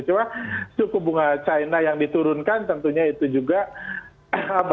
cuma suku bunga china yang diturunkan tentunya itu juga